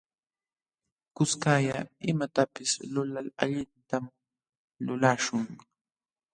Kuskalla imatapis lulal allintam lulaśhun.